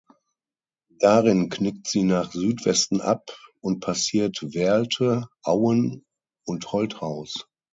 Darin knickt sie nach Südwesten ab und passiert Werlte, Auen und Holthaus.